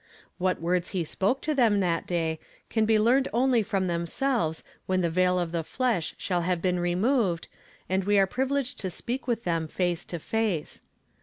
What words he spoke to them that day can be learned only from themselves when the veil of the flesh shall have been re moved, and we are privileged to speak with them ace to face.